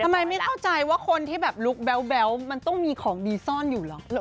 ไม่เข้าใจว่าคนที่แบบลุกแบ๊วมันต้องมีของดีซ่อนอยู่เหรอ